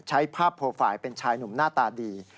ใช้ภาพโปรไฟล์เป็นชายหนุ่มหน้าตาดี